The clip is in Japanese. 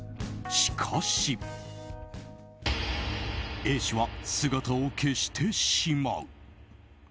しかし、Ａ氏は姿を消してしまう。